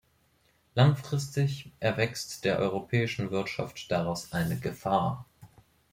Langfristig erwächst der europäischen Wirtschaft daraus eine Gefahr.